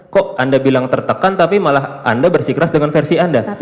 kok anda bilang tertekan tapi malah anda bersikeras dengan versi anda